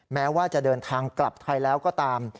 แม้ว่าจะเดินทางกลับไทยแล้วก็ตาม